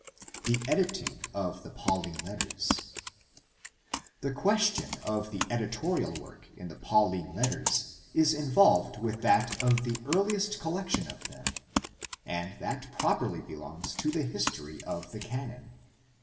The editing of the Pauline letters. — The question of the editorial work in the Pauline letters is involved with that of the earliest collection of them, and that properly belongs to the history of the canon.